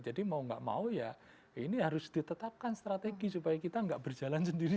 jadi mau enggak mau ya ini harus ditetapkan strategi supaya kita enggak berjalan sendiri